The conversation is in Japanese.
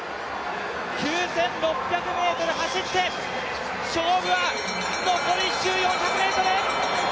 ９６００ｍ走って、勝負は残り４００ｍ！